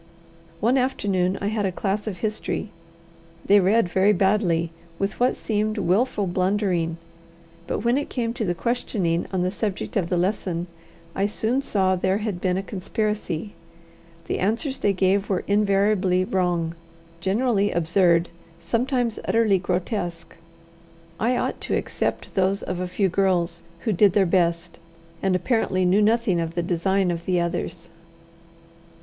One afternoon I had a class of history. They read very badly, with what seemed wilful blundering; but when it came to the questioning on the subject of the lesson, I soon saw there had been a conspiracy. The answers they gave were invariably wrong, generally absurd, sometimes utterly grotesque. I ought to except those of a few girls, who did their best, and apparently knew nothing of the design of the others.